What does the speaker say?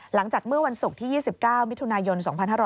หลังจากเมื่อวันศุกร์ที่๒๙มิถุนายน๒๕๖๐